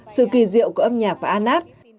sự kỳ diệu của âm nhạc và anat